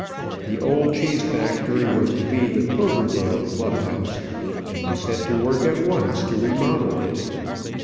The old cheese factory was to be the Cloverdale Club house, and we set to work at once to remodel it.